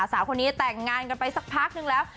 สาวคนนี้แต่งงานกันไปสักพักนึงแล้ว